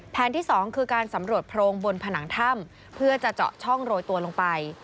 ที่สองคือการสำรวจโพรงบนผนังถ้ำเพื่อจะเจาะช่องโรยตัวลงไป